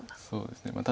そうですね。